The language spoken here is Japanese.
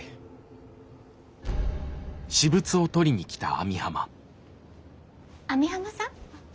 網浜さん。